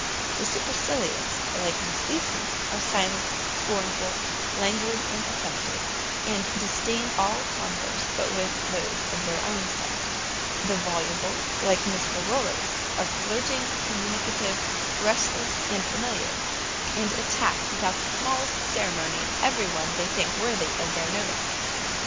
The SUPERCILIOUS, like Miss Leeson, are silent, scornful, languid, and affected, and disdain all converse but with those of their own set: the VOLUBLE, like Miss Larolles, are flirting, communicative, restless, and familiar, and attack without the smallest ceremony, every one they think worthy their notice.